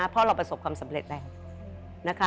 เพราะเราประสบความสำเร็จแรง